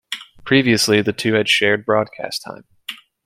Previously, the two had shared broadcast time.